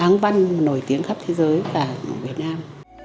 áng văn nổi tiếng khắp thế giới và việt nam